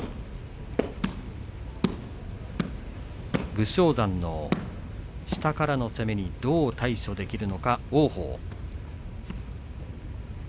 武将山の下からの攻めにどう対処できるのか王鵬。